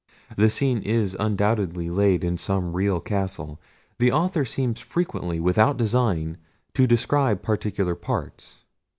The scene is undoubtedly laid in some real castle. The author seems frequently, without design, to describe particular parts.